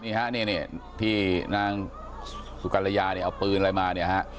นี่ค่ะนี่ที่นางสุกรรยาเอาปืนอะไรมาเนี่ยค่ะ